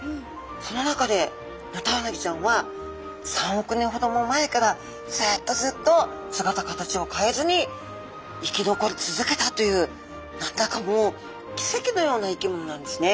その中でヌタウナギちゃんは３億年ほども前からずっとずっと姿形を変えずに生き残り続けたという何だかもうきせきのような生き物なんですね。